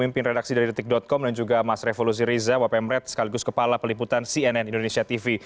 sidri detik com dan juga mas revo luziriza wp meret sekaligus kepala peliputan cnn indonesia tv